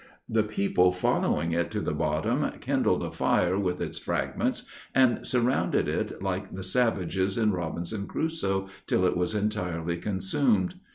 The people following it to the bottom, kindled a fire with its fragments, and surrounded it like the savages in Robinson Crusoe, till it was entirely consumed.